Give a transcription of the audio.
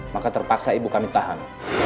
maka terpaksa ibu kami tahan